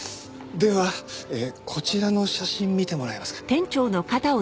ではこちらの写真見てもらえますか？